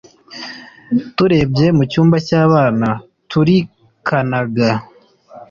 turebye mu cyumba cy'abana turkanaga